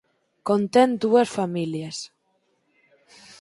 Contén dúas familias.